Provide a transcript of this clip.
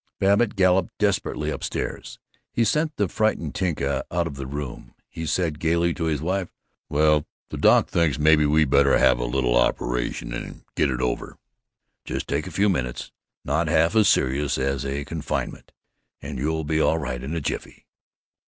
Babbitt galloped desperately up stairs. He sent the frightened Tinka out of the room. He said gaily to his wife, "Well, old thing, the doc thinks maybe we better have a little operation and get it over. Just take a few minutes not half as serious as a confinement and you'll be all right in a jiffy."